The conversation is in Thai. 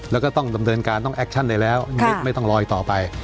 แล้วก็ต้องดำเนินการต้องแอคชั่นได้แล้วไม่ต้องลอยต่อไป